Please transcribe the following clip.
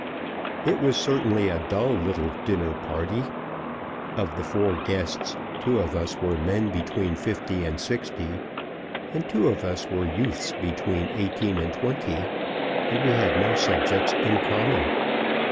IT was certainly a dull little dinner party. Of the four guests, two of us were men between fifty and sixty, and two of us were youths between eighteen and twenty, and we had no subjects in common.